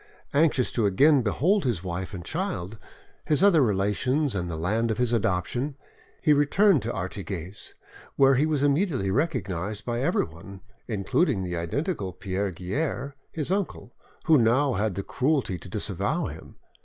Anxious to again behold his wife and child, his other relations and the land of his adoption, he returned to Artigues, where he was immediately recognised by everyone, including the identical Pierre Guerre, his uncle, who now had the cruelty to disavow him.